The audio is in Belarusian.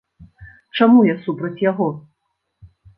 Чаму я супраць яго?